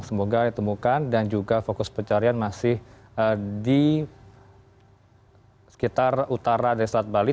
semoga ditemukan dan juga fokus pencarian masih di sekitar utara dari selat bali